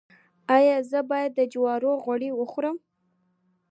ایا زه باید د جوارو غوړي وخورم؟